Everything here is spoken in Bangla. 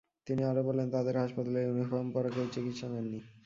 তিনি আরও বলেন, তাঁদের হাসপাতালে ইউনিফর্ম পরা কেউ চিকিৎসা নেননি।